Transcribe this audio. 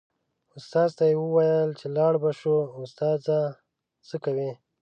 استاد ته یې و ویل چې لاړ به شو استاده څه کوې.